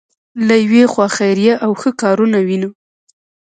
له یوې خوا خیریه او ښه کارونه وینو.